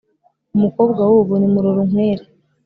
umukobwa w'ubu ni murorunkwere